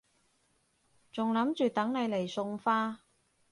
仲諗住等你嚟送花